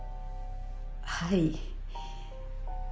はい。